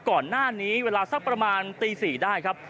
ก่อนหน้านี้เวลาสักประมาณตี๔ได้ครับ